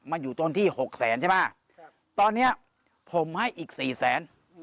มันอยู่ต้นที่๖แสนใช่ป่ะตอนนี้ผมให้อีก๔แสน